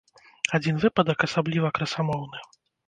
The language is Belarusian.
Адзін выпадак асабліва красамоўны.